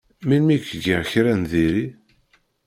Melmi i k-giɣ kra n diri?